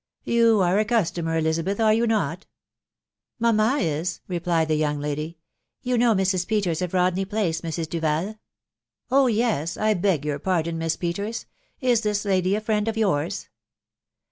" You are a customer, Elizabeth, axe you not ?"" Mamma is," replied the young lady. " You know Mrs Peters of Rodney Place, Mrs. Duval ?" u Oh yes !.... I beg your pardon, Miss Peters. Is this lady a friend of yours